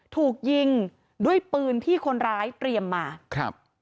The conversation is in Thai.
ถูกยิงด้วยปืนที่คนยิงเขื่อนายเตรียมมา